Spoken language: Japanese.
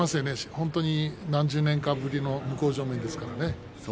本当に何十年かぶりの向正面ですからね。